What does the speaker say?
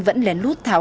vẫn lén lút tháo